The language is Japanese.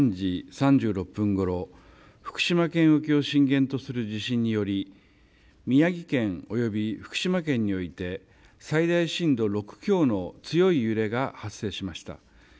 福島県沖を震源とする地震により宮城県および福島県において最大震度６強の強い揺れが発生しました。